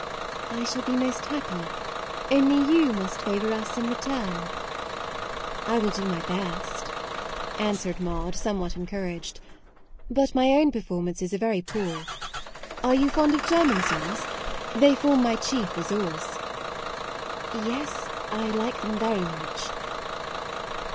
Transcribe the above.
u I shall be most happy, only you must favour us in return." 58 MAUDE " I will do my best,'* answered Maude somewhat encouraged; u but my own performances are very poor. Are you fond of German songs ? they form my chief resource." " Yes, I like them much."